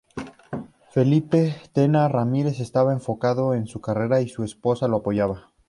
Felipe Tena Ramírez estaba enfocado en su carrera y su esposa lo apoyaba.